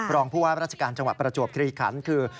รองผู้ว่าราชการจังหวัดประจวบคลีขันคือ